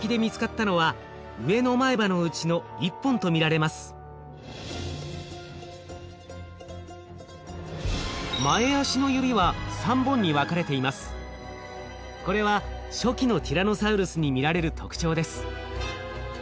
これは初期のティラノサウルスに見られる特徴です。